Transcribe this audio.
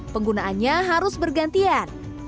penggunaannya harus bergantian